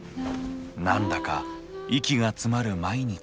何だか息が詰まる毎日。